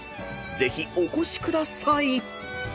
［ぜひお越しください］